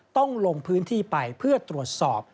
ต้องลงพื้นที่ไปเพื่อตรวจสอบ